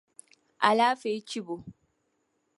Alaafee chibi o.